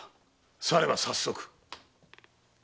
されば早速。